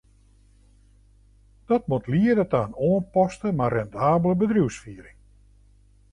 Dat moat liede ta in oanpaste, mar rendabele bedriuwsfiering.